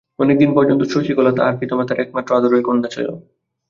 অনেকদিন পর্যন্ত শশিকলা তাহার পিতামাতার একমাত্র আদরের কন্যা ছিল।